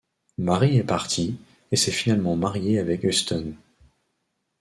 Marie est partie et s'est finalement mariée avec Huston.